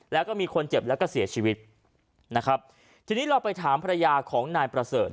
แล้วก็มีคนเจ็บแล้วก็เสียชีวิตนะครับทีนี้เราไปถามภรรยาของนายประเสริฐ